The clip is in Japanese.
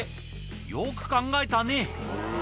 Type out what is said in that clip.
よく考えたね。